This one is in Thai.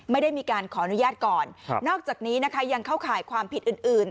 ไม่ได้มีการขออนุญาตก่อนนอกจากนี้นะคะยังเข้าข่ายความผิดอื่นอื่น